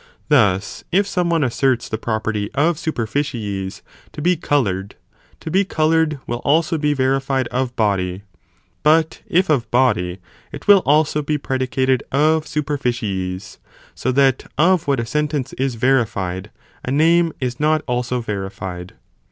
Thus, if some one asserts the property of superficies to be coloured, to be coloured will also be verified of body, but if of body, it will also be predicated of superficies; so that of what a sentence is verified, a name is not also verified.!